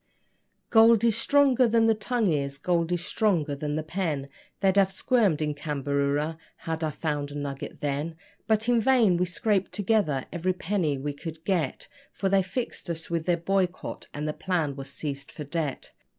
Gold is stronger than the tongue is gold is stronger than the pen: They'd have squirmed in Cambaroora had I found a nugget then; But in vain we scraped together every penny we could get, For they fixed us with their boycott, and the plant was seized for debt.